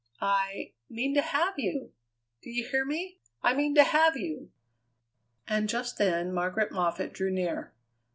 "I mean to have you! Do you hear me? I mean to have you." And just then Margaret Moffatt drew near.